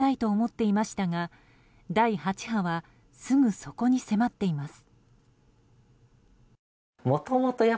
時間をかけて見極めたいと思っていましたが第８波はすぐそこに迫っています。